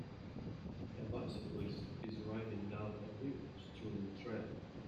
A bicyclist is riding down a leaf strewn trail.